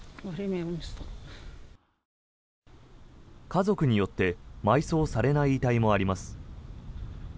家族によって埋葬されない遺体もあります。